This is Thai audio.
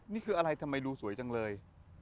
นี่คืออะไรทำไมดูสวยจังเลย